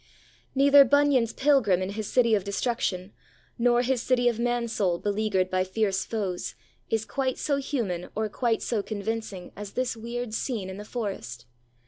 Neither Bunyan's pilgrim in his City of Destruction, nor his City of Mansoul beleaguered by fierce foes, is quite so human or quite so convincing as this weird scene in the forest.